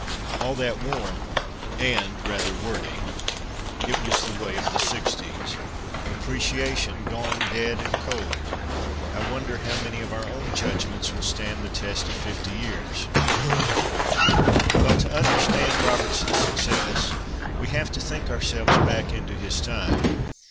All that warm (and rather wordy — it was the way of the "sixties) appreciation gone dead and cold ! I wonder how many of our own judgments will stand the test of fifty years. Br — r — r ! Well, to understand Robertson's success, we have to think ourselves back into his time.